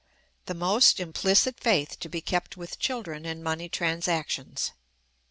The most implicit Faith to be kept with Children in Money Transactions.